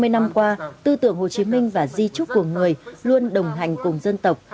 hai mươi năm qua tư tưởng hồ chí minh và di trúc của người luôn đồng hành cùng dân tộc